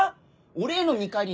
俺への見返り